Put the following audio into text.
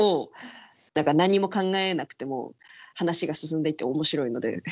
何にも考えなくても話が進んでいって面白いので。